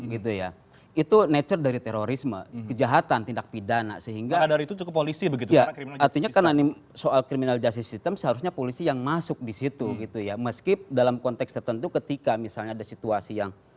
karena criminal justice system seharusnya polisi yang masuk di situ meski dalam konteks tertentu ketika misalnya ada situasi yang